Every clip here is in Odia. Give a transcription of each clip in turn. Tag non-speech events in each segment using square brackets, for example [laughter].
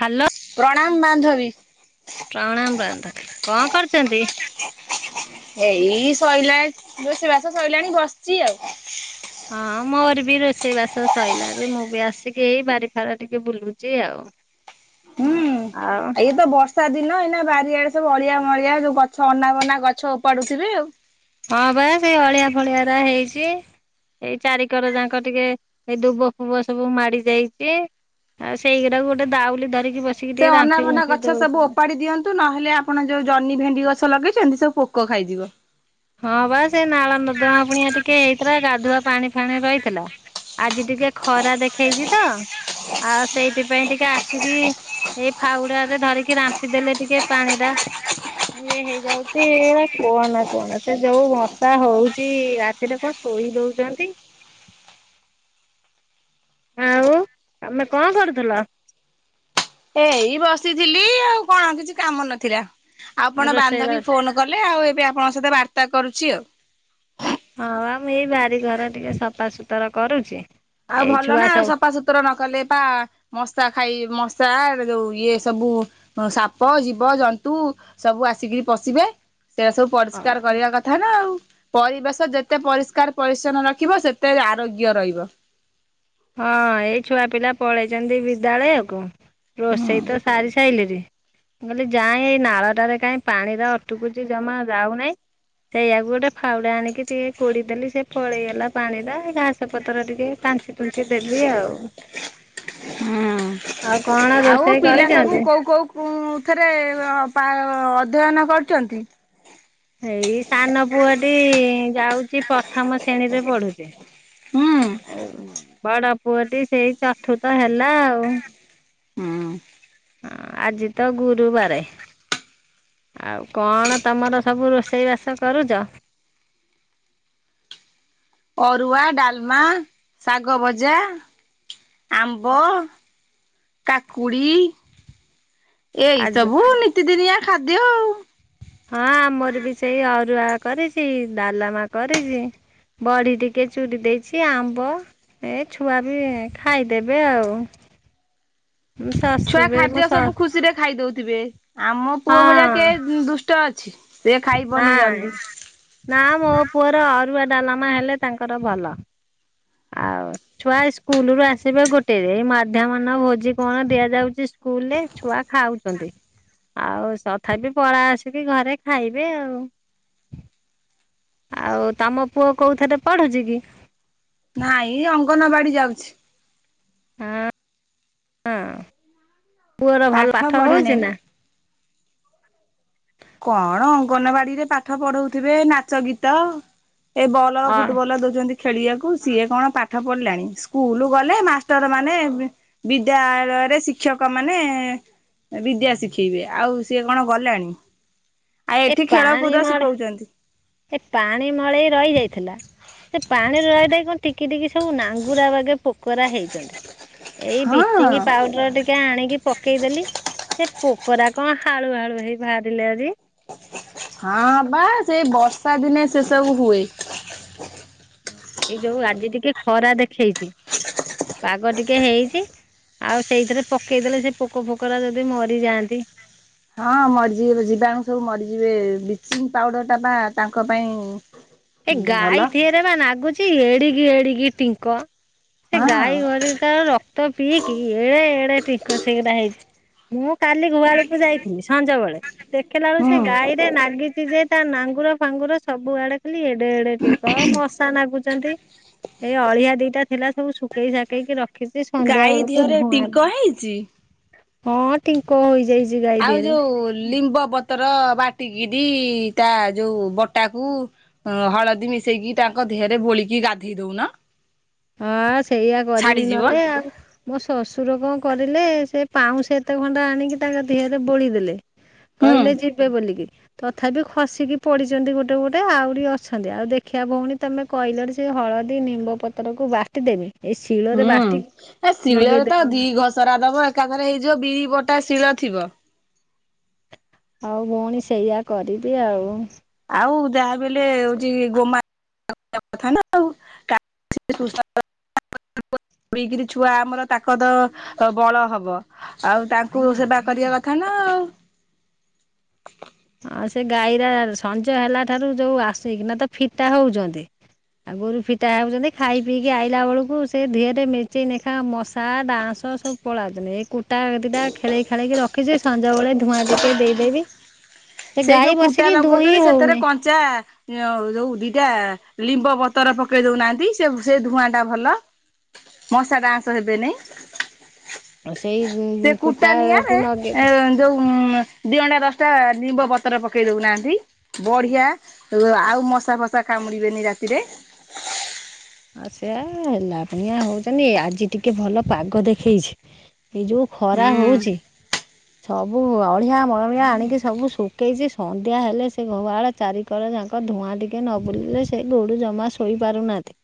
ହାଲୋ। ପ୍ରଣାମ ବାନ୍ଧବୀ। ପ୍ରଣାମ ବାନ୍ଧବୀ କଁ କରୁଚନ୍ତି? ଏଇ ଶଇଲାଣି ରୋଷେ ବାସ ଶଇଲାଣି ବସ୍ଚି ଆଉ। ହଁ ମୋର ବି ରୋଷେଇ ବାସ ଶଇଲାଣି ମୁଁ ବି ଆସିକି ଏଇ ବାରି ଫାରା ଟିକେ ବୁଲୁଛି ଆଉ। ହଁ। ହୁଁ ଇଏ ତ ବର୍ଷ୍ ଷା ଦିନ ଏଇନା ବାରିଆଡେ ସବୁ ଅଳିଆ ମଳିଆ ଯୋଉ ଗଛ ଅନା ବନା ଗଛ ଓପାଡୁଥିବେ ଆଉ। ହଁ ବା ସେଇ ଅଳିଆ ଫଳିଆ ରା ହେଇଚି। ଏଇ ଚାରିିକର ଯାଁକ ଟିକେ ଏଇ ଦୁବ ଫୁବ ସବୁ ମାଡି ଯାଇଚି। ଆଉ ସେଇରାକୁ ଗୋଟୋ ଦାଉଲି ଧରି ସେ ଅନା ବନା ଗଛ ସବୁ ଓପାଡି଼ ଦିଅନ୍ ତୁ। ନହେଲେ ଆପଣ ଯୋଉ ଜହ୍ନି ଭେଣ୍ଡି ଗଛ ଲଗେଇଛନ୍ତି ସବୁ ପୋକ ଖାଇଯିବ। ହଁ ବା ସେ ନାଳ ନର୍ଦମା ପୁଣିଆ ଟିକେ ହେଇଥିଲା ଗାଧୁଆ ପାଣି ଫାଣି ରହିଥିଲା। ଆଜି ଟିକେ ଖରା ଦେଖେଇଛି ତ ଆଉ ସେଇଥିପାଇଁ ଟିକେ ଆସିକି ଏଇ ଫାଉଡ଼ା ରେ ଧରିକି ରାମ୍ପି ଦେଲେ ଟିକେ ପାଣି ଟା ଇଏ ହେଇଯାଉଛି ହେରା କୁହନା କୁହନା। ସେ ଯୋଉ ମଶା ହୋଉଛି ରାତିରେ କଣ ଶୋଇ ଦଉଛନ୍ତି। ଆମେ କଣ କରୁଥିଲ। ଏଇ ବସିଥିଲି ଆଉ କଣ କିଛି କାମ ନଥିଲା ଆପଣ ରୋଷେଇ ବାନ୍ଧବୀ ବାସ ଫୋନ ଗଲେ ଆଉ ଏବେ ଆପଣଙ୍କ ସହିତ ବାର୍ତ୍ତା କରୁଛି ଆଉ। ହଁ ବା ମୁଁ ଏଇ ବାରିଘର ଟିକେ ସଫାସୁତୁର କରୁଛି। ଆଉ ଏଇ ଭଲ ଛୁଆ ନା ଆଉ ସବୁ ସଫାସତୁର ନ କଲେ ପା ମଶା ଖାଇ ମଶା ଯୋଉ ଇଏ ସବୁ ଉଁ ସାପ ଜୀବ ଜନ୍ତୁ ସବୁ ଆସିକି ପଶିବେ ସେଇରା ସବୁ ପରିଷ୍କାର ହଁ କରିବା କ ଥା ନା ଆଉ ପରିବେଶ ଯେତେ ପରିଷ୍କାର ପରିଛନ୍ନ ରଖିବ ସେତେ ଆରୋଗ୍ୟ ରହିବ। ହଁ ଏଇ ଛୁଆ ପିଲା ପଳେଇଛନ୍ତି ବିଦ୍ୟାଳୟକୁ ରୋଷେଇ ତ ସାରି ସାରିଲିନି। ମୁଁ କହିଲି ଯାଏଁ ଏଇ ନାଳଟାରେ କାହିଁ ପାଣି ରା ଅଟୁକୁଛି ଜମା ଯାଉନାହିଁ। ସେଇୟଆକୁ ଗୋଟେ ଫାଉଡ଼ା ଆଣିକି ଟିକେ କୋଡି଼ ଦେଲି ସେ ପଳେଇଗଲା ପାଣି ଟା ହେ ଘାସ ପତର ଟିକେ ତାଞ୍ଛି ତୁଞ୍ଛି ଦେବି ଆଉ ଆଉ କଣ ରୋଷେଇ କରିଛନ୍ତି? ମୁଁ ଥରେ ଅ ପା ଅଧ୍ୟୟନ କରୁଛନ୍ତି। ହେଇ ସାନ ପୁଅଟି ଯାଉଛି ପ୍ରଥମ ଶ୍ରେଣୀରେ ପଢ଼ୁଛି। ହୁଁ। ବଡ଼ ପୁଅଟି ସେଇ ଚତୁର୍ଥ ହେଲା ଆଉ। ହୁଁ। ଆଜି ତ ଗୁରୁବାରେ। ଆଉ କଣ ତମର ସବୁ ରୋଷେଇ ବାସ କରୁଚ? ଅରୁଆ, ଡାଲମା, ଶାଗ ଭଜା ଆମ୍ବ, କାକୁଡ଼ି ଏଇ ଆଜି ସବୁ ନିତିଦିନିଆ ଖାଦ୍ୟ ଆଉ। ହଁ ଆମର ବି ସେଇ ଅରୁଆ କରିଚି ଡାଲମା କରିଚି। ବଡ଼ି ଟିକେ ଚୁରି ଦେଇଛି ଆମ୍ବ ଏ ଛୁଆ ବି ଖାଇଦେବେ ଆଉ। ଛୁଆ ଶାଶୁ ବି ମୋ ଖାଦ୍ୟ ଶା ସବୁ ଖୁସିରେ ଖାଇ ଦଉଥିବେ ଆମ ପୁଅ ଭଳିଆ ହଁ କିଏ ଦୁଷ୍ଟ ଅଛି। ସେ ଖାଇବନି ନାଇଁ। ଜଲ୍ଦି ନା ମୋ ପୁଅର ଅରୁଆ ଡାଲମା ହେଲେ ତାଙ୍କର ଭଲ ଆଉ ଛୁଆ ଇସ୍କୁଲ ରୁ ଆସିବେ ଗୋଟେ ରେ ମାଧ୍ୟମନ ଭୋଜି କଣ ଦିଆଯାଉଛି ସ୍ କୁଲରେ ଛୁଆ ଖାଉଛନ୍ତି ଆଉ ତଥାପି ପଳେଇ ଆସିକି ଘରେ ଖାଇବେ ଆଉ। ଆଉ ତମ ପୁଅ କୋଉ ଥିରେ ପଢ଼ୁଛି କି? ନାଇଁ ଅଙ୍ଗନବାଡ଼ି ଯାଉଛି। ହଁ ଅଁ ପୁଅର ଭଲ ପାଠ ପଢି ହଉଛି ନାହିଁ। ନା? କଣ ଅଙ୍ଗନବାଡ଼ି ରେ ପାଠ ପଢ଼ଉଥିବେ ନାଚ ଗୀତ। ଏଇ ବଲ [unintelligible] ଅ ଫୁଟବଲ୍ ଦଉଛନ୍ତି ଖେଳିବାକୁ ସିଏ କଣ ପାଠ ପଢ଼ିଲାଣି ସ୍କୁଲ ଗଲେ ମାଷ୍ଟର ମାନେ ବେ ବିଦ୍ୟାଳୟରେ ଶିକ୍ଷକ ମାନେ। ବିଦ୍ୟା ଶିଖେଇବେ ଆଉ ସିଏ କଣ ଗଲାଣି। ଆଉ ଏ ଏଠି ଖେଳକୁଦ ପାଣି ମଳ ଶିଖଉଛନ୍ତି। ଏ ପାଣି ମଳେଇ ରହି ଯାଇଥିଲା। ସେ ପାଣି ରହି ରହି କଣ ଟିକି ଟିକି ସବୁ ନାଙ୍ଗୁରା ବାଗେ ପୋକରା ହେଇଛନ୍ତି। ଏଇ ହଁ ବିଚିଙ୍ଗି ପାଉ ଡର ଟିକେ ଆଣିକି ପକେଇଦେଲି ସେ ପୋକରା କଣ ହାଳୁ ହାଳୁ ହେଇ ବାହାରିଲେ ଆଜି। ହଁ ବା ସେଇ ବର୍ଷା ଦିନେ ସେ ସବୁ ହୁଏ। ଏଇ ଯୋଉ ଆଜି ଟିକେ ଖରା ଦେଖେଇଛି ପାଗ ଟିକେ ହେଇଛି। ଆଉ ସେଇଥିରେ ପକେଇଦେଲେ ସେ ପୋକ ଫୋକଗୁରା ଯଦି ମରିଯାଆନ୍ତି। ହଁ ମରିଯିବେ ଯିବାଣୁ ସବୁ ମରିଯିବେ ବ୍ଲିଚିଙ୍ଗ ପାଉଡ଼ରଟା ବା ତାଙ୍କ ପାଇଁ। ଏ ଭଲ ଗାଈ ଧିହରେ ବା ନାଗୁଛି ଏଡିକି ଏଡିକି ଟିଙ୍କ। ସେ ହଁ ଗାଈ ଘରେ ତାର ର କ୍ତ ପିିକି ଏଡେ ଏଡେ ଟିଙ୍କ ସେଗୁରା ହେଇଛି ମୁଁ। କାଲି ଗୁହାଳକୁ ଯାଇଥିଲି ସଞ୍ଜ ବେଳେ ଦେଖିଲା ବଳୁ ସେ ହୁଁ ଗାଈ ରେ ନାଗିଛି ଯେ। ତା ନାଙ୍ଗୁଳ ଫାଙ୍ଗୁଳ ସବୁ ଆଡେ ଖାଲି ଏଡେ ଏଡେ ଟିଙ୍କ ମଶା ନାଗୁଛନ୍ତି। ଏଇ ଅଳିଆ ଦିଟା ଥିଲା ସବୁ ଶୁଖେଇ ସାକେଇକି ରଖ ରଖିଛି ସନ୍ଧ୍ୟା ଗାଈ ବେଳକୁ ଦିହରେ ଧୂଆଁ ଟିଙ୍କ ହେଇଛି ଦେବି ହଁ। ଟିଙ୍କ ହୋଇଯାଇଛି ଗାଈ ଦିହରେ। ଓ ଲିମ୍ବପତ ତ୍ରର ବାଟିକିରି ତା ଯୋଉ ବଟାକୁ ହଁ ହଳଦୀ ମିଶେଇକି ତାଙ୍କ ଦେହରେ ବୋଳିକି ଗାଧେଇ ଦଉନ। ହଁ ସେଇଆ କରିବି ଛାଡିଯିବ ନହେଲେ ଆଉ। ମୋ ଶାଶୁର କଣ କରିଲେ ସେ ପାଉଁଶ ଏତେ ହଣ୍ଡା। ଆଣିକି ତାଙ୍କ ଦେହରେ ବୋଳିଦେଲେ ହୁଁ କହିଲେ ଯିବେ ବୋଲିକି। ତଥାପି ଖସିକି ପଡିଛନ୍ତି ଗୋଟେ ଗୋଟେ ଆହୁରି ଅଛନ୍ତି ଆଉ ଦେଖିବା ଭଉଣୀ ତମେ। କହିଲାରୁ ସେ ହଳଦୀ ନିମ୍ବ ପତ୍ରକୁ ବାଟି ଦେବି। ଏଇ ଶିଳରେ ହୁଁ ଏ ଶିଳରେ ତ ନଗେଇଦେମି ଦି ଘସରା ଦବ ଏକାଥରେ ହେଇଯିବ ବିରି ବଟା ଶିଳ ଥିବ। ହଉ ଭଉଣୀ ସେଇୟା କରିବି ଆଉ। ଆଉ ଯାହା ବିଲେ ସେ ହଉଛି ଗୋମା କଥା ନା ଆଉ। [inaudible] ପିଇକରି ଛୁଆ ଆମର ତାକତ ବଳ ହବ। ଆଉ ତାଙ୍କୁ ସେବା କରିବା କଥା ନା ଆଉ। ହଁ ସେ ଗାଈରା ସଞ୍ଜ ହେଲା ଠାରୁ ଯୋଉ ଆସିକିନା ତ ଫିଟା ହଉଛନ୍ତି। ଆଉ ଗୋରୁ ଫିଟା ହେଉଛନ୍ତି ଖାଇ ପିଇକି ଆଇଲା ବେଳକୁ ସେ ଦେହରେ ମେଞ୍ଚେ ଲେଖା ମଶା ଡାଆଁଶ ସବୁ ପଳାନ୍ତୁଣି ଏଇ କୁଟା ଦିଟା ଖେଳେଇ ଖାଳେଇକି ରଖିଛି ସଞ୍ଜ ବେଳେ ଧୂଆଁ ଟିକେ ଦେଇଦେବି। ସେ ସେଇ ଗାଈ ଯୋଉ କୁଟା ବସିକି ଦୁହିଁ ଲଗାଉଛନ୍ତି ସେଥିରେ ହଉନି କଞ୍ଚା ଏ ଯୋଉ ଯୋଉ ଦିଟା ଲିମ୍ବ ପତର ପକେଇ ଦଉନାହାନ୍ତି ସେ ସେ ଧୂଆଁ ଟା ଭଲ। ମଶା ଡାଆଁଶ ହେବେନି। ସେ ସେଇ କୁଟା କୁଟାକୁ ନିଆଁରେ ନଗେଇ ଯୋଉ ଦିଗଣ୍ଡା ଦଶଟା ନିମ୍ବ ପତ୍ର ପକେଇ ଦଉନାହାନ୍ତି ବଢିଆ ଆଉ ମଶା ଫଶା କାମୁଡିବେନି ରାତିରେ। ଆଚ୍ଛା ହେଲା ପାଇଁଆ ସେଇୟା ହଉଛନ୍ତି ଆଜି ଟିକେ ଭଲ ପାଗ ଦେଖେଇଛି। ଏଇ ଯୋଉ ଖରା ହୁଁ। ହଉଛି। ସବୁ ଅଳିଆ ମଳିଆ ଆଣିକି ସବୁ ଶୁଖେଇଛି ସନ୍ଧ୍ୟା ହେଲେ ସେ ଗୁହାଳ ଚାରିିକର ଯାଙ୍କ ଧୂଆଁ ଟିକେ ନ ବୁଲିଲେ ସେ ଗୋରୁ ଜମା ଶୋଇ ପାରୁନାହାନ୍ତି।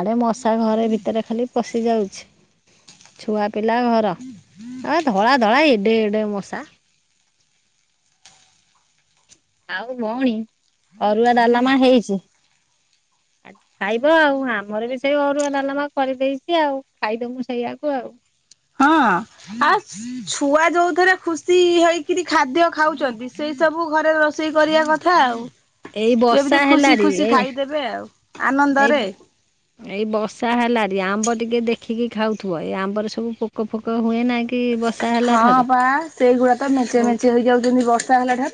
ଆଡ଼େ ମଶା ଘରେ ଭିତରେ ଖାଲି ପଶିଯାଉଛି। ଛୁଆ ପିଲା ଘର ଆଉ ଧଳା ଧଳା ଏଡେ ଏଡେ ମଶା। ଆଉ ଭଉଣୀ ଅରୁଆ ଡାଲମା ହେଇଚି। ଖାଇବ ଆଉ ଆମର ବି ସେଇ ଅରୁଆ ଡାଲମା କରିଦେଇଚି ଆଉ ଖାଇଦୋମୁ ସେଇଆକୁ ଆଉ। ହଁ ଆ ଛୁଆ ଯୋଉ ଥିରେ ଖୁସି ହେଇକିରି ଖାଦ୍ୟ ଖାଉଛନ୍ତି ସେଇ ସବୁ ଘରେ ରୋଷେଇ କରିବା କଥା। କଥା ଆଉ ଏଇ ବର୍ଷା ଯେମିତି ଖୁସି ହେଲାରି ଖୁସି ଏ ଖାଇଦେବେ ଆଉ ଏଇ ଆନନ୍ଦରେ। ଏଇ ବର୍ଷା ହେଲାଣି ଆମ୍ବ ଟିକେ ଦେଖିକି ଖାଉଥିବ ଏଇ ଆମ୍ବରେ ସବୁ ପୋକ ଫୋକ ହୁଏ ନା କି ବର୍ଷା ହେଲା ହଁ ଠାରୁ ବା ସେଇଗୁଡା ତ ମେଞ୍ଚେ ବହୁତ ମେଞ୍ଚେ ହେଇଯାଉଛନ୍ତି ବର୍ଷା ହେଲା ଠାରୁ।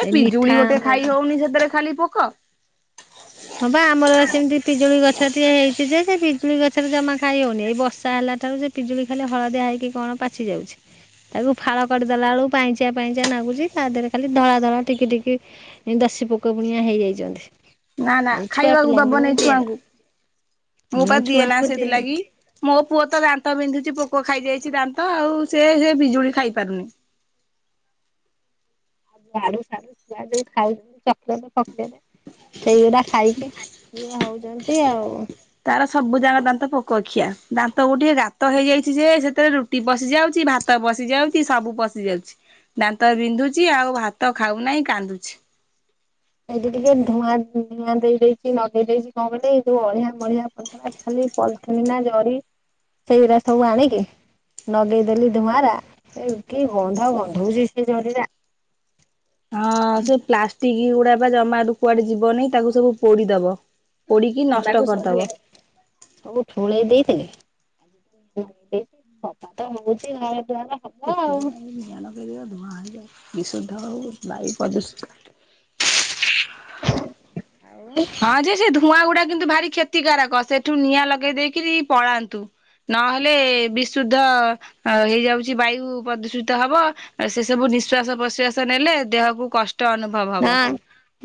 ଏ ଏଇ ମିଠା ପିଜୁଳି ଗୋଟେ ଆମ୍ବ ଖାଇ ହୋଉନି ସେଥିରେ ଖାଲି ପୋକ। ହଁ ପା ଆମର ସେମିତି ପିଜୁଳି ଗଛ ଟିଏ ହେଇଛି ଯେ ସେ ପିଜୁଳି ଗଛରେ ଜମା ଖାଇହୋଉନି ଏଇ ବର୍ଷା ହେଲା ଠାରୁ ସେ ପିଜୁଳି ଖାଲି ହଳଦିଆ ହେଇକି କଣ ପାଚି ଯାଉଚି। ତାକୁ ଫାଳ କରିଦେଲା ବେଳକୁ ପାଣିଚିଆ ପାଣିଚିଆ ନାଗୁଚି ତା ଦେହରେ ଖାଲି ଧଳା ଧଳା ଟିକି ଟିକି ଦଶୀ ପୋକ ପୁଣିଆ ହେଇଯାଇଛନ୍ତି। ନା ନା ଏଇ ଛୁଆ ଖାଇବାକୁ ପିଲାଙ୍କୁ ମୁଁ ଦବନେଇ ଦିଏନା ଛୁଆଙ୍କୁ ମୁଁ ପା ଦିଏ ନା ସେଥିଲାଗି। ମୋ ପୁଅ ତ ଦାନ୍ତ ବିନ୍ଧୁଛି ପୋକ ଖାଇଯାଇଛି ଦାନ୍ତ ଆଉ ସେ ସେ ପିଜୁଳି ଖାଇ ପାରୁନି। ଆଡୁ ସାଡୁ ଛୁଆ ଯୋଉ ଖାଉଚି ତ। ଚକଲେଟ ଫକଲେଟ ସେଇଗୁଡା ଖାଇକି ଏଇଆ ହୋଉଛନ୍ତି ଆଉ। ତାର ସବୁ ଯାଁକ ଦାନ୍ତ ପୋକଖିଆ ଦାନ୍ତ ଗୋଟିଏ ଗାତ ହେଇଯାଇଛି ଯେ ସେଥିରେ ରୁ ରୁଟି ପଶି ଯାଉଛି ଭାତ ପଶି ଯାଉଛି ସବୁ ପଶି ଯାଉଛି। ଦାନ୍ତ ବିନ୍ଧୁଛି ଆଉ ଭାତ ଖାଉନାହିଁ କାନ୍ଦୁଛି। ଏଇଠି ଟିକେ ଧୂଆଁ ଧୂଆ ଦେଇଦେଇଛି ନଗେଇ ଦେଇଛି କଣ କହିଲେ ଏଇ ଯୋଉ ଅଳିଆ ମଳିଆ ଖାଲି ପଲିଥିନ ନା ଜରି ସେଇଗୁରା ସବୁ ଆଣିକି ନଗେଇଦେଲି ଧୂଆଁରା ଏ କି ଗନ୍ଧ ଗନ୍ଧୋଉଛି ସେଇ ଜରି ରା। ହଁ ସେ ପ୍ଲାଷ୍ଟିକ ଗୁଡା ବା ଜମା ରୁ କୁଆଡେ ଯିବନି ତାକୁ ସବୁ ପୋଡିଦବ। ପୋଡିକି ନଷ୍ଟ ତାକୁ କରିଦବ। ସବୁ ଏ ସବୁ ଠୁଳେଇ ଦେଇଥିଲି। କଥା ତ ହୋଉଛି ଘର ଦୁଆର ପୋତିବ କାଇଁ ନିଆଁ ନଗେଇଦିଅ ଧୂଆଁ ହେଇଯାଉ ବିଶୁଦ୍ଧ ଆଉ ବାୟୁ ପ୍ରଦୂଷିତ ଆଉ ହଁ ଯେ ସେ ଧୂଆଁ ଗୁଡା କିନ୍ତୁ ଭାରି କ୍ଷତିକାରକ ସେଠୁ ନିଆଁ ଲଗେଇ ଦେଇକିରି ପଳାନ୍ତୁ। ନହେଲେ ବିଶୁଦ୍ଧ ହେଇଯାଉଛି ବାୟୁ ପ୍ରଦୂଷିତ ହବ। ସେ ସବୁ ନିଶ୍ଵାସ ପ୍ରଶ୍ଵାସ ନେଲେ ଦେହକୁ କ ଷ୍ଟ ଅନୁଭବ ହବ। ନାଁ।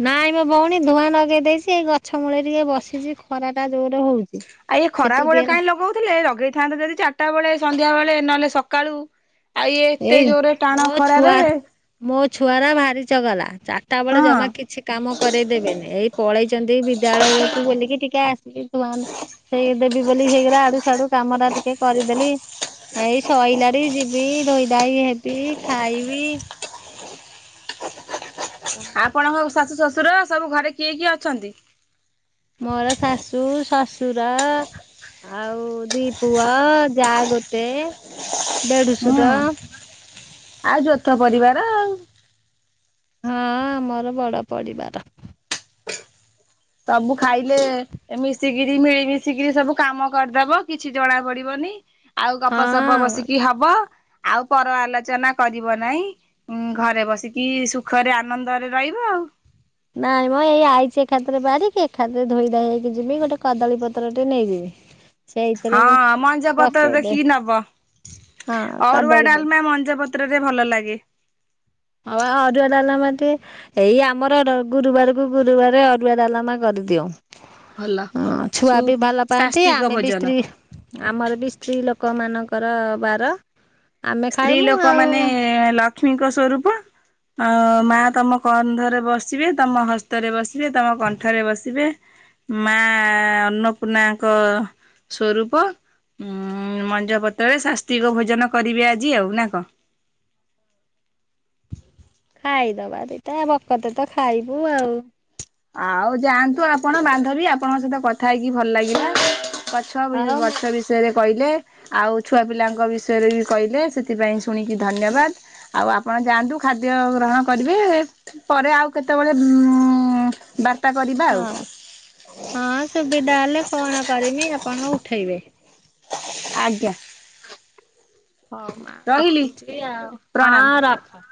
ନାଇଁ ମ ଭଉଣୀ ଧୂଆଁ ନଗେଇ ଦେଇଛି ଏଇ ଗଛ ମୂଳରେ ଟିକେ ବସିଛି ଖରା ଟା ଜୋରରେ ହୋଉଛି। ଏଇ ଖରା ବେଳେ କାହିଁ ଲଗଉଥିଲେ ଲଗେଇ ଥାନ୍ତେ ଯଦି ଚାରିଟା ବେଳେ ସନ୍ଧ୍ୟା ବେଳେ ନହେଲେ ସକାଳୁ। ଇଏ ଏତେ ଏଇ ଜୋରରେ ମୋ ଟାଣ ଛୁଆ ଖରାରେ ମୋ ଛୁଆରା ଭାରି ଚଗଲା ଚାରିଟା ହଁ ବେଳେ ଜମା କିଛି କାମ କରେଇଦେବେନି ଏଇ ପଳେଇଛନ୍ତି ବିଦ୍ୟାଳୟକୁ ବୋଲିକି ଟିକେ ଆସିକି ଧୂ ସେଇ ଦେବି ବୋଲି ସେଇଗୁରା ଆଡୁ ସାଡୁ କାମ ଟା ଟିକେ କରିଦେଲି। ଏଇ ସଇଲାଣି ଯିବି ଧୋଇ ଧାଇ ହେବି ଖାଇବି। ଆପଣଙ୍କ ଶାଶୁ ଶ୍ୱଶୁର ସବୁ ଘରେ କିଏ କିଏ ଅଛନ୍ତି? ମୋର ଶାଶୁ ଶଶୁର ଆଉ ଦି ପୁଅ ଯା ଗୋଟେ ଦେଢଶୁର ହୁଁ ଆଉ ଯୋଥ ପରିବାର। ଆଉ। ହଁ ଆମର ବଡ ପରିବାର। ସବୁ ଖାଇଲେ। ଏ ମିଶିକିରି ମିଳିମିଶିକିରି ସବୁ କାମ କରିଦବ କିଛି ଜଣା ପଡିବନି। ଆଉ ଗପସପ ହଁ ବସିକି ହବ ଆଉ ପର ଆଲୋଚନା କରିବ ନାଇଁ। ଉଁ ଘରେ ବସିକି ସୁଖରେ ଆନନ୍ଦରେ ରହିବ ଆଉ। ନାଇଁମ ଏଇ ଆଇଛି ଏକାଥରେ ବାରିକି ଏକାଥରେ ଧୋଇ ଧାଇ ହେଇକି ଯିବି ଗୋଟେ କଦଳୀ ପତ୍ର ଟେ ନେଇଯିବି। ସେଇଥିରେ ହଁ ମଞ୍ଜ ପତ୍ର ପକେଇଦେ ଦେଖିକି ନବ ହଁ ଅରୁଆ କଦଳୀ ପତ୍ର ଡାଲମା ମଞ୍ଜା ପତ୍ର କ୍ତ୍ରରରେ ଭଲ ଲାଗେ। ହଉ ଅରୁଆଡାଲେମା ଟେ। ଏଇ ଆମର ର ଗୁରୁବାରକୁ ଗୁରୁବାର ଅରୁଆ ଡାଲମା କରିଦିଅଉ। ଭଲ। ହଁ ସୁ ଛୁଆ ବି ଭଲ ପାଆନ୍ତି ସ୍ୱାସ୍ତିକ ଆମେ ବି ଭୋଜନ। ସ୍ତ୍ରୀ ଆମର ବି ସ୍ତ୍ରୀ ଲୋକମାନଙ୍କର ବାର। ଆମେ ସ୍ତ୍ରୀ ଖାଇମୁ ଲୋକ ଆଉ। ମାନେ ଲକ୍ଷ୍ମୀଙ୍କ ସ୍ଵରୂପ। ଆଉ ମା ତମ କନ୍ଧରେ ବସିବେ ତମ ହସ୍ତରେ ବସିବେ ତମ କଣ୍ଠରେ ବସିବେ। ମା ଅନ୍ନପୂର୍ଣ୍ଣାଙ୍କ ସ୍ଵ। ଉୁଁ ମଞ୍ଜ ପତ୍ରରେ ଶାସ୍ତିକ ଭୋଜନ କରିବେ ଆଜି ଆଉ ନା କଣ। ଖାଇଦବା ଦିଟା ବକତେ ତ ଖାଇବୁ ଆଉ। ଆଉ ଯାଆନ୍ତୁ ଆପଣ ବାନ୍ଧବୀ ଆପଣଙ୍କ ସହିତ କଥା ହେଇକି ଭଲ ଲାଗିଲା। ପାଛ ବି ହଉ ହଁ। ବାଛା ବି [unintelligible] ବିଷୟରେ କହିଲେ ଆଉ ଛୁଆ ପିଲାଙ୍କ ବିଷୟରେ ବି କହିଲେ ସେଥିପାଇଁ ଶୁଣିକି ଧନ୍ୟବାଦ। ଆଉ ଆପଣ ଯାଆନ୍ତୁ ଖାଦ୍ୟ ଗ୍ରହଣ କରିବେ ପରେ ଆଉ କେତେବେଳେ ଉଉଁ। ବା ହଁ ହଁ ସୁବିଧା ହେଲେ ଫୋନ୍ କରମି ଆପଣ ଉଠେଇବେ। ଆଜ୍ଞା। ହଉ ମା ରହିଲି ରଖୁଛି ଆଉ ହଁ ପ୍ରଣାମ। ରଖ।